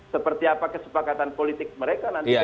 seperti apa kesepakatan politik mereka nanti ke depan